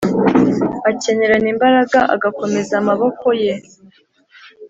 akenyerana imbaraga, agakomeza amaboko ye